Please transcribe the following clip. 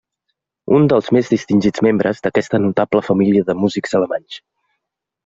Un dels més distingits membres d'aquesta notable família de músics alemanys.